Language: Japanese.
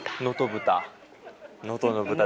能登豚。